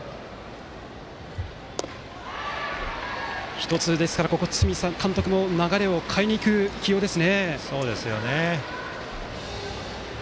１つ、堤監督も流れを変えにいく起用です。